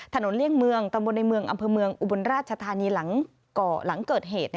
เลี่ยงเมืองตำบลในเมืองอำเภอเมืองอุบลราชธานีหลังเกิดเหตุ